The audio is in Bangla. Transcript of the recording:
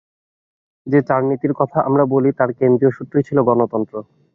যে চার নীতির কথা আমরা বলি, তার কেন্দ্রীয় সূত্রই ছিল গণতন্ত্র।